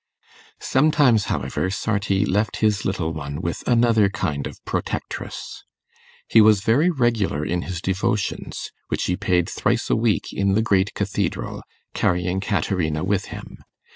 Sometimes, however, Sarti left his little one with another kind of protectress. He was very regular in his devotions, which he paid thrice a week in the great cathedral, carrying Caterina with him.